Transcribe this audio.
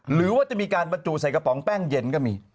หรือว่าจะมีการบรรจุใส่กระป๋องแป้งเย็นก็มี